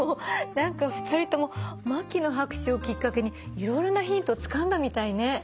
何か２人とも牧野博士をきっかけにいろいろなヒントをつかんだみたいね。